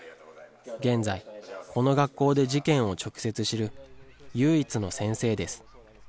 現在、この学校で事件を直接知る唯一の先生です。